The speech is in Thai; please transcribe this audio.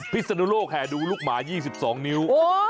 ศนุโลกแห่ดูลูกหมา๒๒นิ้ว